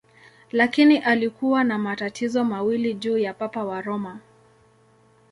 Lakini alikuwa na matatizo mawili juu ya Papa wa Roma.